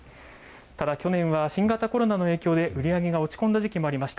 ただ、去年は新型コロナの影響で、売り上げが落ち込んだ時期もありました。